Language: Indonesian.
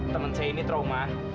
temen saya ini trauma